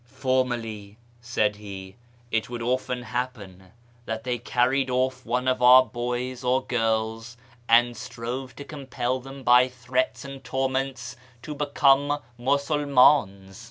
" Formerly," said he, "it would often happen that they carried off one of our boys or girls, and strove to compel them by threats and torments to become Musulmans.